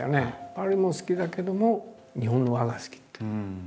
パリも好きだけども日本の和が好きっていう。